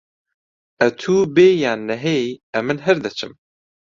ئەتوو بێی یان نەهێی، ئەمن هەر دەچم.